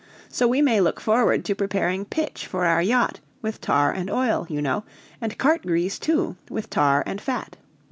So we may look forward to preparing pitch for our yacht, with tar and oil, you know, and cart grease, too, with tar and fat.